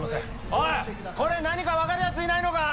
おいこれ何か分かるやついないのか？